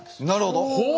なるほど！